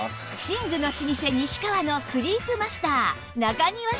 寝具の老舗西川のスリープマスター中庭さん